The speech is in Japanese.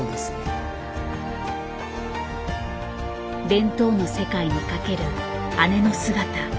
弁当の世界にかける姉の姿。